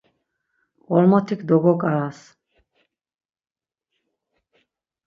Ğormotik dogoǩaras.